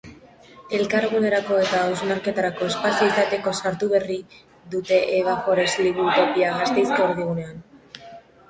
Elkargunerako eta hausnarketarako espazio izateko sortu berri dute Eva Forest liburutopia Gasteizko erdigunean.